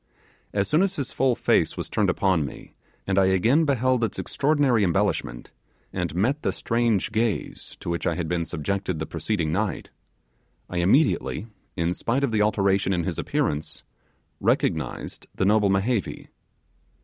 As soon as his full face was turned upon me, and I again beheld its extraordinary embellishment, and met the strange gaze to which I had been subjected the preceding night, I immediately, in spite of the alteration in his appearance, recognized the noble Mehevi.